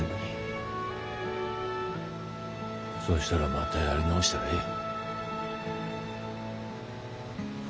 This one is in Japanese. そうしたらまたやり直したらええ。